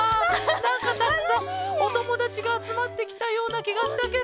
なんかたくさんおともだちがあつまってきたようなきがしたケロ。